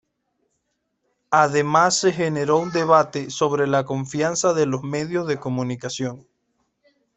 Además se generó un debate sobre la confianza de los medios de comunicación.